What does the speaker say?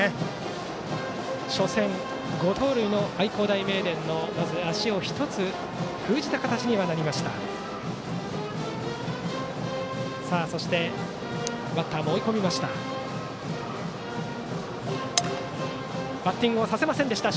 初戦５盗塁の愛工大名電のまず足を１つ封じた形になりました。